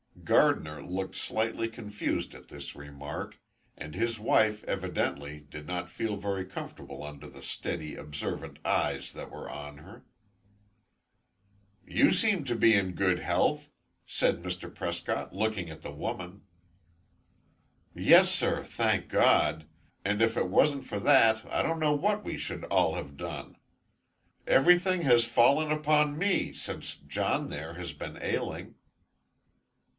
Gardiner looked slightly confused at this remark, and his wife, evidently, did not feel very comfortable under the steady, observant eyes that were on her. "You seem to be in good health," said Mr. Prescott, looking at the woman. "Yes sir, thank God! And if it wasn't for that, I don't know what we should all have done. Everything has fallen upon me since John, there, has been ailing."